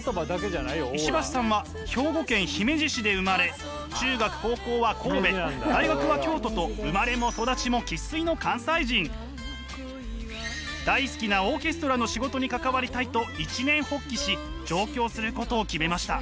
石橋さんは兵庫県姫路市で生まれ中学高校は神戸大学は京都と生まれも育ちも大好きなオーケストラの仕事に関わりたいと一念発起し上京することを決めました。